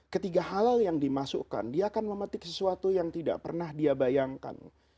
ketiga halal yang dimasukkan dia akan memetik sesuatu yang tidak pernah dia bayangkan